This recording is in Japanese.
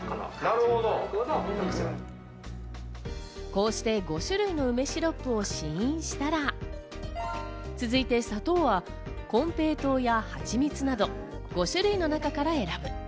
こうして５種類の梅シロップを試飲したら、続いて砂糖はこんぺい糖やはつみつなど５種類の中から選ぶ。